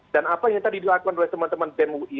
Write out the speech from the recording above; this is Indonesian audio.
dan apa yang tadi dilakukan oleh teman teman bem ui